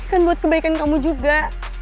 kan buat kebaikan kamu juga